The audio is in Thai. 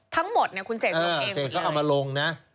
ทั้งหมดนี่คุณเสร็จลงเองหมดเลยอ่าเสร็จเขาเอามาลงนะ